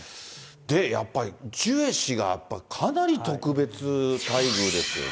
やっぱり、ジュエ氏がやっぱかなり特別待遇ですよね。